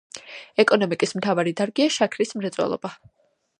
ეკონომიკის მთავარი დარგია შაქრის მრეწველობა.